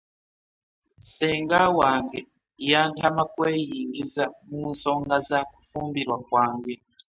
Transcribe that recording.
Ssenga wange yantama kweyingiza mu nsonga za kufumbirwa kwange.